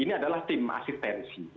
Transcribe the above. ini adalah tim asistensi